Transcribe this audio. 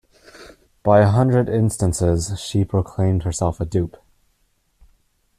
By a hundred instances she proclaimed herself a dupe.